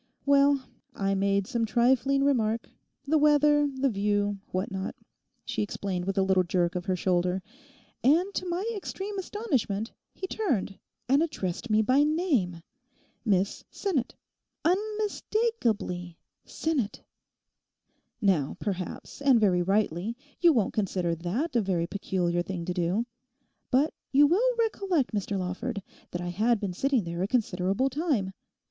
'Well, I made some trifling remark—the weather, the view, what not,' she explained with a little jerk of her shoulder—'and to my extreme astonishment he turned and addressed me by name—Miss Sinnet. Unmistakably—Sinnet. Now, perhaps, and very rightly, you won't considered that a very peculiar thing to do? But you will recollect, Mr Lawford, that I had been sitting there a considerable time.